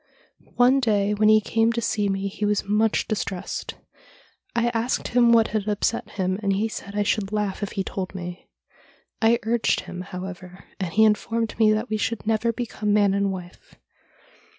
One day when he came to see me he was much distressed. I asked him what had upset him, but he said I should laugh if he told me. I urged him, however, and he informed me that we should never become man and wife.